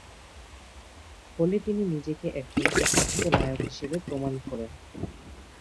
ফলে তিনি নিজেকে একজন প্রতিষ্ঠিত নায়ক হিসেবে প্রমাণ করেন।